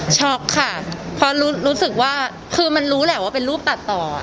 ช็อกค่ะเพราะรู้สึกว่าคือมันรู้แหละว่าเป็นรูปตัดต่อ